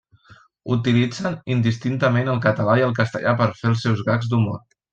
Utilitzen indistintament el català i el castellà per fer els seus gags d'humor.